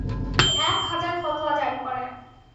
তিনি এক হাজার ফতোয়া জারি করেন।